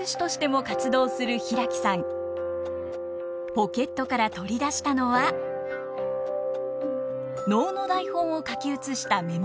ポケットから取り出したのは能の台本を書き写したメモ用紙。